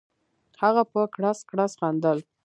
هغه په کړس کړس خندل.